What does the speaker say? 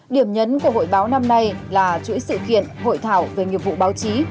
điểm nhấn của hội báo năm nay là chuỗi sự kiện hội thảo về nghiệp vụ báo chí